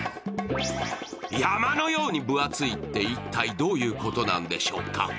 山のように分厚いって一体どういうことなんでしょうか？